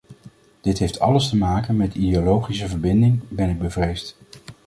Dit heeft alles te maken met ideologische verblinding, ben ik bevreesd.